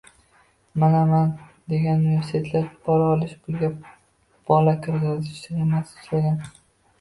Mana man degan universitetlarda pora olish, pulga bola kirgazish sxemasi ishlagan.